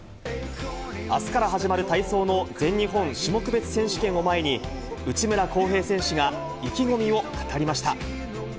あすから始まる体操の全日本種目別選手権を前に、内村航平選手が意気込みを語りました。